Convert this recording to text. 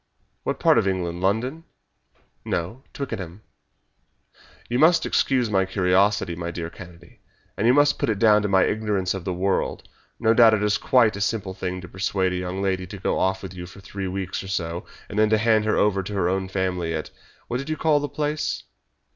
"What part of England London?" "No, Twickenham." "You must excuse my curiosity, my dear Kennedy, and you must put it down to my ignorance of the world. No doubt it is quite a simple thing to persuade a young lady to go off with you for three weeks or so, and then to hand her over to her own family at what did you call the place?"